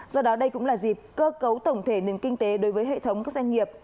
do đó đây cũng là dịp cơ cấu tổng thể nền kinh tế đối với hệ thống các doanh nghiệp